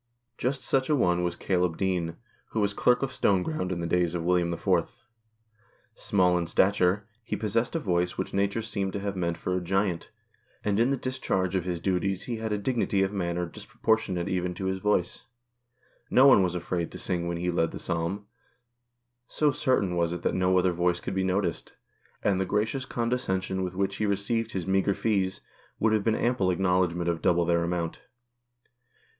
Just such a one was Caleb Dean, who was Clerk of Stoneground in the days of William IV. Small in stature, he possessed a voice which 175 G HOST TALES. Nature seemed to have meant for a giant, and in the discharge of his duties he had a dignity of manner disproportionate even to his voice. No one was afraid to sing when he led the Psalm, so certain was it that no other voice could be noticed, and the gracious condescension with which he received his meagre fees would have been ample acknowledgment of double their amount.